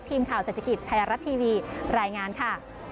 ทีมข่าวเศรษฐกิจไทยรัฐทีวีรายงานค่ะ